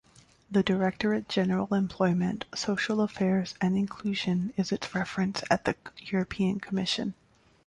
The Directorate-General Employment, Social Affairs and Inclusion is its reference at the European Commission.